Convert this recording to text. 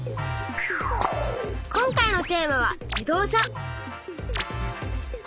今回のテーマは「自動車」。